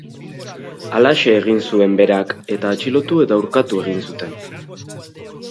Halaxe egin zuen berak, eta atxilotu eta urkatu egin zuten.